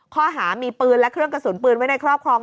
ข้อหามีปืนและเครื่องกระสุนปืนไว้ในครอบครอง